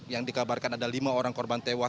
yang dikabarkan ada lima orang korban tewas